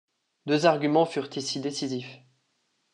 Deux arguments furent ici décisifs.